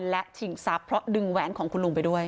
และชิงทรัพย์เพราะดึงแหวนของคุณลุงไปด้วย